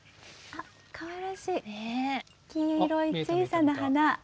かわいらしい、黄色い小さな花。